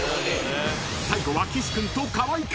［最後は岸君と河合君］